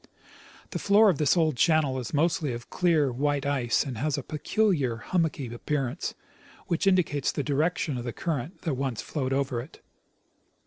The floor of this old channel is mostly of clear, white ice, and has a peculiar, hummocky appearance, which indicates the direction of the current that once flowed over it.